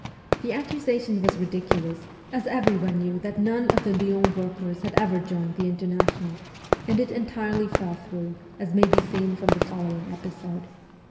The accusation was ridiculous, as everyone knew that none of the Lyons workers had ever joined the Inter national, and it entirely fell through, as may be seen from the following episode.